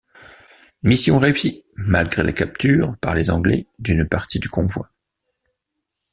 Mission réussie malgré la capture par les Anglais d'une partie du convois.